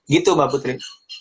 gitu mbak putri